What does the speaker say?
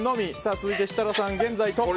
続いて設楽さん、現在トップ！